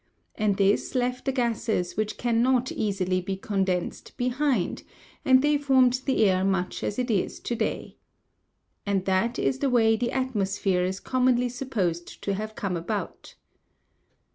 And this left the gases which cannot easily be condensed behind, and they formed the air much as it is to day. And that is the way the atmosphere is commonly supposed to have come about.